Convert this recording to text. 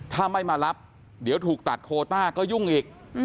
ถ้าไม่มารับเดี๋ยวถูกตัดโคต้าก็ยุ่งอีก